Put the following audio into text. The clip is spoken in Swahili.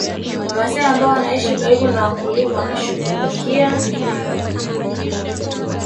Wamasai ambao wanaishi karibu na wakulima wameshughulikia kilimo